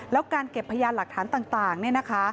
แล้วการเก็บพยานหลักฐานต่างเนี่ยนะคะ